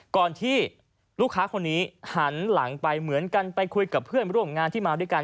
ก่อนที่ลูกค้าคนนี้หันหลังไปเหมือนกันไปคุยกับเพื่อนร่วมงานที่มาด้วยกัน